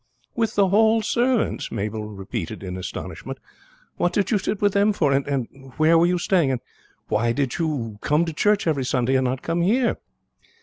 "With the Hall servants!" Mabel repeated in astonishment. "What did you sit with them for? and where were you staying? and why did you come to the church every Sunday and not come here?"